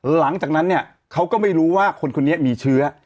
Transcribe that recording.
หลังจากนั้นเนี่ยเขาก็ไม่รู้ว่าคนคนนี้มีเชื้อ